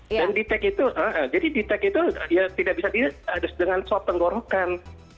dan dtec itu jadi dtec itu ya tidak bisa diadus dengan sop penggorokan